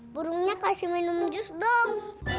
burungnya pasti minum jus dong